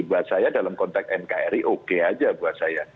buat saya dalam konteks nkri oke aja buat saya